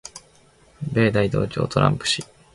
米大統領トランプ氏